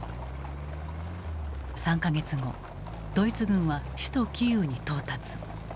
３か月後ドイツ軍は首都キーウに到達。